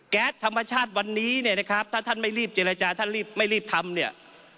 แก๊สธรรมชาติวันนี้เนี่ยนะครับถ้าท่านไม่รีบเจรจาท่านรีบไม่รีบทำเนี่ย